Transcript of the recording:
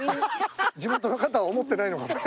地元の方は思ってないのかも。